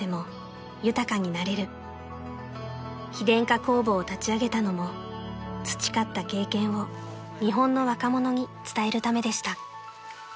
［非電化工房を立ち上げたのも培った経験を日本の若者に伝えるためでした］